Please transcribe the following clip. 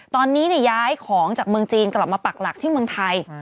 ตอนนี้ย้ายของจากเมืองจีนกลับมาปักหลักที่เมืองไทย